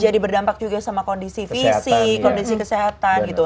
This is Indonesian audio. jadi berdampak juga sama kondisi visi kondisi kesehatan gitu